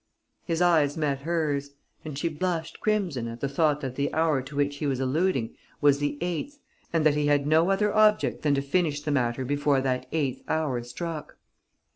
His eyes met hers; and she blushed crimson at the thought that the hour to which he was alluding was the eighth and that he had no other object than to finish the matter before that eighth hour struck.